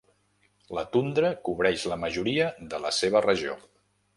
La tundra cobreix la majoria de la seva regió.